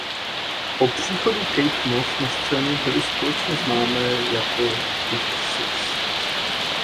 Po příchodu Kate Moss na scénu byly společně známé jako "Big Six".